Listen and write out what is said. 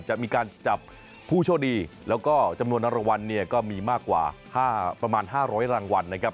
จะมีการจับผู้โชคดีแล้วก็จำนวนรางวัลเนี่ยก็มีมากกว่าประมาณ๕๐๐รางวัลนะครับ